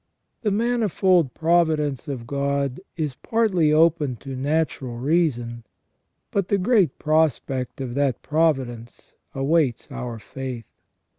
The manifold providence of God is partly open to natural reason, but the great prospect of that providence awaits our faith.